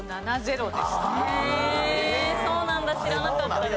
へえそうなんだ。